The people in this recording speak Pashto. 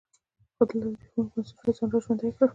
خو دلته زبېښونکي بنسټونو ځان را ژوندی کړ.